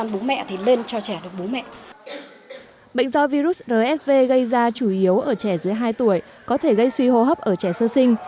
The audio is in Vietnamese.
bệnh do virus rsv gây ra chủ yếu ở trẻ dưới hai tuổi có thể gây suy hô hấp ở trẻ sơ sinh